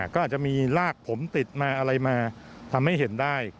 ก็อาจจะมีลากผมติดมาอะไรมาทำให้เห็นได้